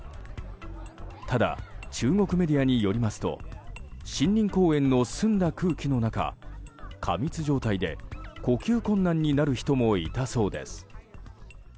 ただ、中国メディアによりますと森林公園の澄んだ空気の中過密状態で呼吸困難になる人もいたそうです。